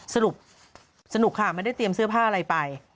สรุปสนุกค่ะไม่ได้เตรียมเสื้อผ้าอะไรไป